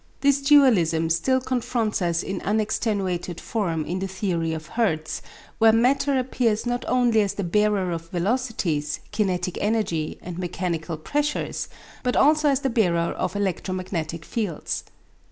This dualism still confronts us in unextenuated form in the theory of Hertz, where matter appears not only as the bearer of velocities, kinetic energy, and mechanical pressures, but also as the bearer of electromagnetic fields.